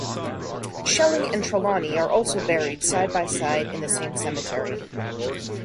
Shelley and Trelawny are also buried side by side in the same Cemetery.